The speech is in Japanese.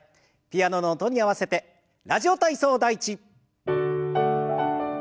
ピアノの音に合わせて「ラジオ体操第１」。